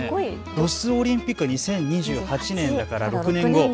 ロスオリンピック、２０２８年ですから６年後。